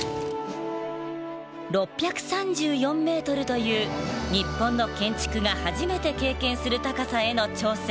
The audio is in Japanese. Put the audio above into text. ６３４ｍという日本の建築が初めて経験する高さへの挑戦。